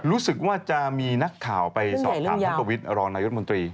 รู้สึกว่าจะมีนักข่าวไปสอบถามท่านประวิทย์รองนายรัฐมนตรี